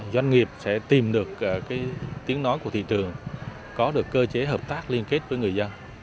doanh nghiệp sẽ tìm được tiếng nói của thị trường có được cơ chế hợp tác liên kết với người dân